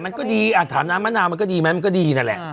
มันก็ดีอ่ะถามน้ำมะนาวมันก็ดีไหมมันก็ดีนั่นแหละ